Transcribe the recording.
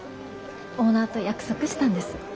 オーナーと約束したんです。